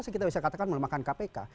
karena kita bisa katakan melemahkan kpk